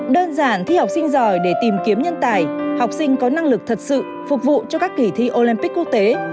đơn giản thi học sinh giỏi để tìm kiếm nhân tài học sinh có năng lực thật sự phục vụ cho các kỳ thi olympic quốc tế